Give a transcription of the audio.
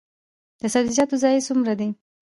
د سبزیجاتو ضایعات څومره دي؟